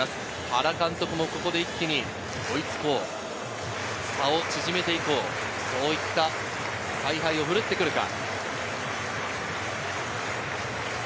原監督もここで一気に差を縮めて行こう、そういった采配を振るってくるか。